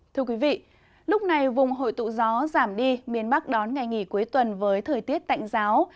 thưa quý vị lúc này vùng hội tụ gió giảm đi miền bắc đón ngày nghỉ cuối tuần với thời tiết tạnh giáo